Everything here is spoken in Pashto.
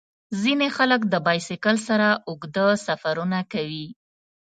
ځینې خلک د بایسکل سره اوږده سفرونه کوي.